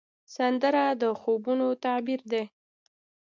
سندره د خوبونو تعبیر دی